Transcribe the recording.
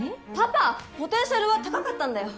パパポテンシャルは高かったんだよ